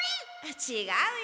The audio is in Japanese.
ちがうよ。